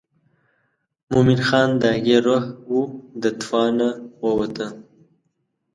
مومن خان د هغې روح و د توانه ووته.